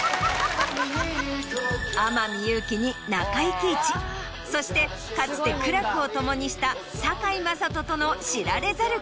天海祐希に中井貴一そしてかつて苦楽を共にした堺雅人との。